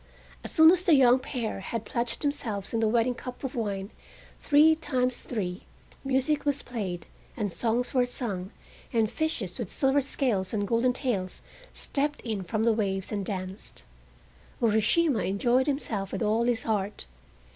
As soon as the young pair had pledged themselves in the wedding cup of wine, three times three, music was played, and songs were sung, and fishes with silver scales and golden tails stepped in from the waves and danced. Urashima enjoyed himself with all his heart.